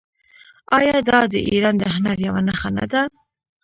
آیا دا د ایران د هنر یوه نښه نه ده؟